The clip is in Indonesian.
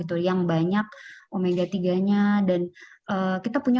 itu paling banyak gitu